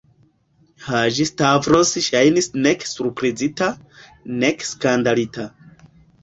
Haĝi-Stavros ŝajnis nek surprizita, nek skandalita.